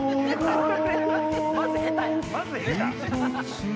まず下手や。